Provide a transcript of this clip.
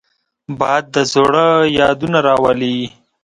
باد د زړه یادونه راولي